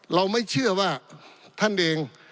เราไม่เชื่อว่าท่านเอง